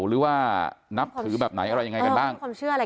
หรือว่านับถือแบบไหนอะไรยังไงกันบ้างมีความเชื่ออะไร